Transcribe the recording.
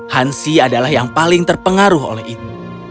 hansi adalah yang paling terpengaruh oleh itu